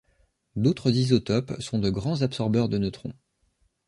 D'autres isotopes sont de grands absorbeurs de neutrons.